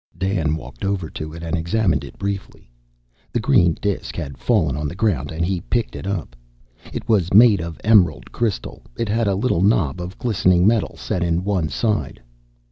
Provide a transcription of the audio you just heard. Dan walked over to it, and examined it briefly. The green disk had fallen on the ground, and he picked it up. It was made of emerald crystal, it had a little knob of glistening metal set in one side.